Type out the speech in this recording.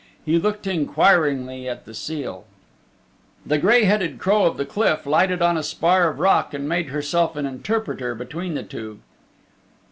He looked inquiringly at the seal. The gray headed crow of the cliff lighted on a spar of rock and made herself an interpreter between the two.